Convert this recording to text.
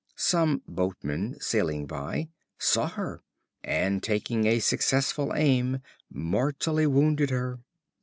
Some boatmen, sailing by, saw her, and, taking a successful aim, mortally wounded her.